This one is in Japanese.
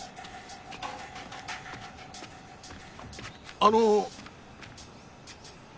あの。